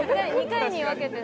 ２回に分けて？